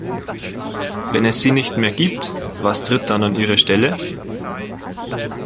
Wenn es sie nicht mehr gibt, was tritt dann an ihre Stelle?